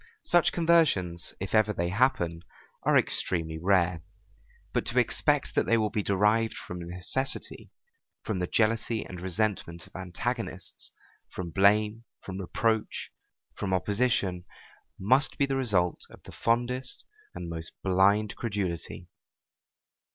Such conversions, if ever they happen, are extremely rare; but to expect that they will be derived from necessity, from the jealousy and resentment of antagonists, from blame, from reproach, from opposition, must be the result of the fondest and most blind credulity.